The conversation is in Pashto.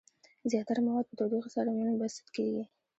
زیاتره مواد په تودوخې سره منبسط کیږي.